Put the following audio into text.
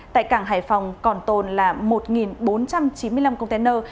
tại cảng hải phòng còn tồn là một bốn trăm chín mươi năm container